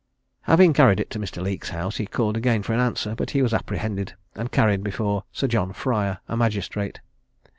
Having carried it to Mr. Leake's house, he called again for an answer, but he was apprehended, and carried before Sir John Fryer, a magistrate.